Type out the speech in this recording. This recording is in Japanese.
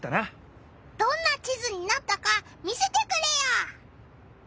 どんな地図になったか見せてくれよ！